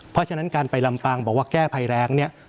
เพราะฉะนั้นการไปลำปางบอกว่าแก้ภัยแรงเนี่ย